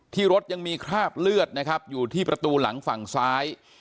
รถยังมีคราบเลือดนะครับอยู่ที่ประตูหลังฝั่งซ้าย